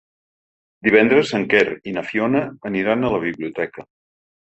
Divendres en Quer i na Fiona aniran a la biblioteca.